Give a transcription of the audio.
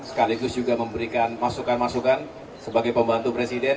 sekaligus juga memberikan masukan masukan sebagai pembantu presiden